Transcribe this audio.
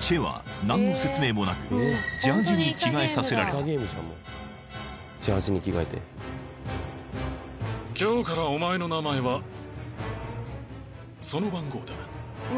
チェは何の説明もなくに着替えさせられた今日からお前の名前はその番号だ